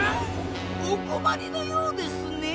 おこまりのようですねぇ！